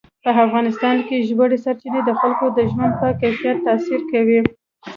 په افغانستان کې ژورې سرچینې د خلکو د ژوند په کیفیت تاثیر کوي.